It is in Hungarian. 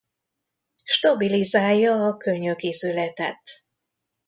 Stabilizálja a könyök ízületet.